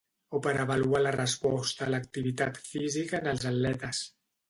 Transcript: O per a avaluar la resposta a l'activitat física en els atletes.